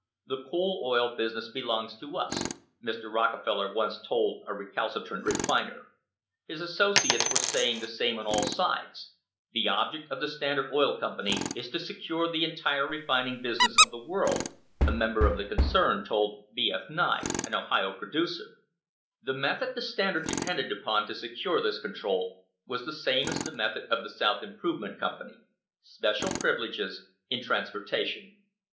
"The coal oil business belongs to us," Mr. Rockefeller once told a recalcitrant refiner. His associates were saying the Iame on all sides; "the object of the Standard Oil Company THE HISTORY OF THE STANDARD OIL COMPANY is to secure the entire refining business of the world," a mem ber of the concern told B. F. Nye, an Ohio producer.* The method the Standard depended upon to secure this control was the same as the method of the South Improve ment Company — special privileges in transportation.